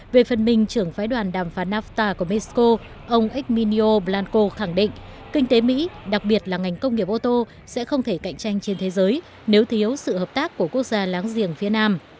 về phần mình trưởng phái đoàn đàm phán nafta của mexico ông ếchminio blanko khẳng định kinh tế mỹ đặc biệt là ngành công nghiệp ô tô sẽ không thể cạnh tranh trên thế giới nếu thiếu sự hợp tác của quốc gia láng giềng phía nam